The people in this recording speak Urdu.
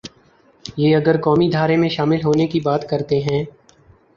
یہ اگر قومی دھارے میں شامل ہونے کی بات کرتے ہیں۔